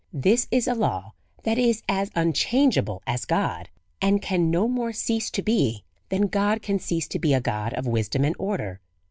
This is a law that is as unchangeable as God, and can no more cease to be, than God can cease to be a God of wisdom and order.